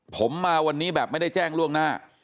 ผมมาวันนี้แบบไม่ได้แจ้งล่วงหน้า